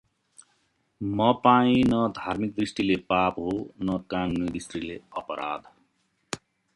मपाई न धार्मिक दृष्टिले पाप हो, न कानुनी दृष्टिले अपराध।